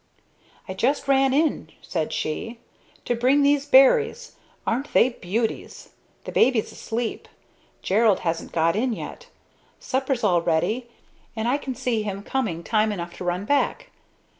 "I just ran in," said she, "to bring those berries. Aren't they beauties? The baby's asleep. Gerald hasn't got in yet. Supper's all ready, and I can see him coming time enough to run back.